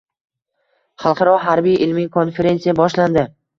Xalqaro harbiy-ilmiy konferensiya boshlandi